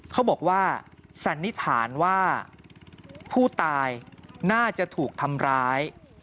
เขาบอกว่าสันนิษฐานว่าผู้ตายน่าจะถูกทำร้าย